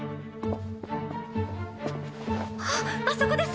あっあそこです！